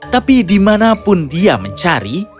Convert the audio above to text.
tapi dimanapun dia mencari